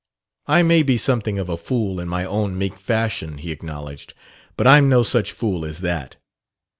"I may be something of a fool, in my own meek fashion," he acknowledged, "but I'm no such fool as that."